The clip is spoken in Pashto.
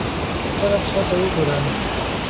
ته لږ شاته وګوره !